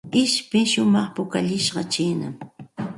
Ishpi shumaq pukallishqa chiinam.